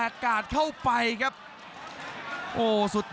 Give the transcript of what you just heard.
กรรมการเตือนทั้งคู่ครับ๖๖กิโลกรัม